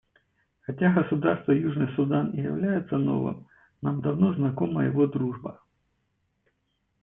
Хотя государство Южный Судан и является новым, нам давно знакома его дружба.